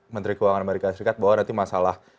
menteri keuangan amerika serikat bahwa nanti masalah